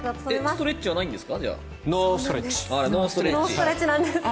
ストレッチはじゃあないんですか？